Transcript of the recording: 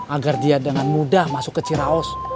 agar dia dengan mudah masuk ke ciraos